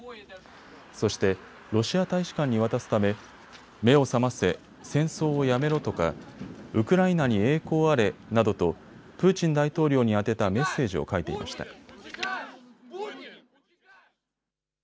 そしてロシア大使館に渡すため目を覚ませ、戦争をやめろとかウクライナに栄光あれなどとプーチン大統領に宛てたメッセージを書いていました。